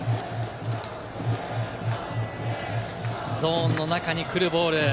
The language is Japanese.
ゾーンの中に来るボール。